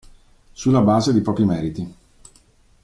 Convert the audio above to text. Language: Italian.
Sulla base dei propri meriti.